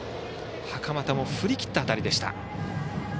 袴田も振り切った当たりでした。